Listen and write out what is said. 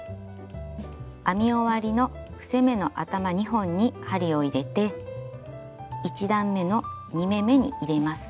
編み終わりの伏せ目の頭２本に針を入れて１段めの２目めに入れます。